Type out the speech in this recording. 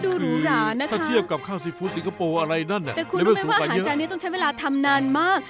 ดูหรูหรานะคะถ้าเทียบกับข้าวซีฟู้สิงคโปร์อะไรนั่นน่ะแต่คุณรู้ไหมว่าอาหารจานนี้ต้องใช้เวลาทำนานมาก